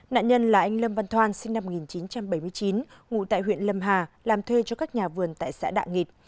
nạn nhân là anh lâm văn thoan sinh năm một nghìn chín trăm bảy mươi chín ngủ tại huyện lâm hà làm thuê cho các nhà vườn tại xã đạ nghịt